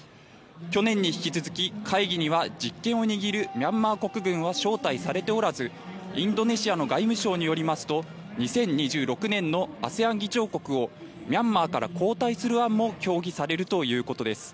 去年に引き続き、会議には実権を握るミャンマー国軍は招待されておらずインドネシアの外務省によりますと２０２６年のＡＳＥＡＮ議長国をミャンマーから交代する案も協議されるということです。